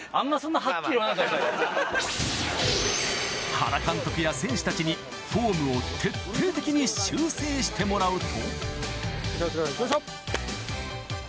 原監督や選手たちにフォームを徹底的に修正してもらうと。